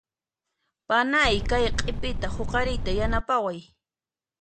Panay kay q'ipita huqariyta yanapaway.